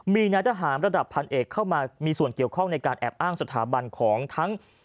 มีนายทหารระดับพันเอกเข้ามามีส่วนเกี่ยวข้องในการแอบอ้างสถาบันของทั้ง